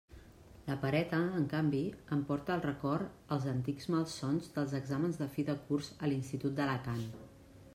La pereta, en canvi, em porta al record els antics malsons dels exàmens de fi de curs a l'institut d'Alacant.